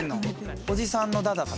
おじさんのだだかな？